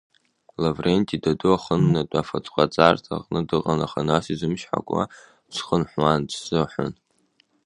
Лавренти даду ахыннатә афатәҟаҵарҭа аҟны дыҟан аха нас изымчҳакуа дхынҳәуан, дсыҳәон…